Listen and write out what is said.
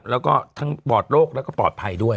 แล้วก็ทั้งปลอดโรคแล้วก็ปลอดภัยด้วย